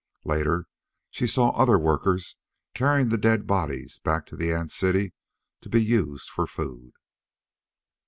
Later she saw other workers carrying the dead bodies back to the ant city to be used for food.